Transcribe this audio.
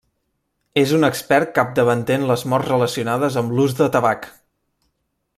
És un expert capdavanter en les morts relacionades amb l'ús de tabac.